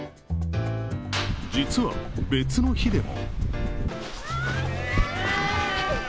実は、別の日でも。